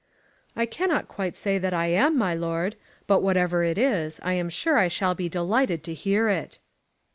"I cannot quite say that I am, my Lord. But whatever it is, I am sure I shall be delighted to hear it."